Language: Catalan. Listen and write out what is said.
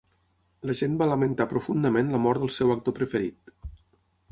La gent va lamentar profundament la mort del seu actor preferit.